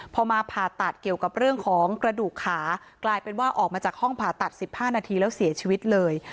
พอมาผ่าตัดเกี่ยวกับเรื่องของกระดูกขากลายเป็นว่าออกมาจากห้องผ่าตัด๑๕นาทีแล้วเสียชีวิตเลย